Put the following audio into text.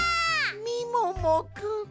みももくん！